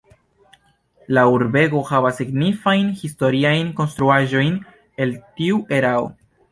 La urbego havas signifajn historiajn konstruaĵojn el tiu erao.